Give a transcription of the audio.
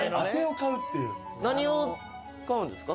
何を買うんですか？